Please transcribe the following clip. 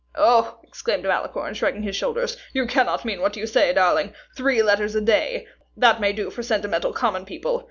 "Oh!" exclaimed Malicorne, shrugging his shoulders, "you cannot mean what you say, darling; three letters a day, that may do for sentimental common people.